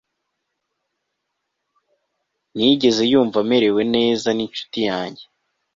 ntiyigeze yumva amerewe neza n'inshuti yanjye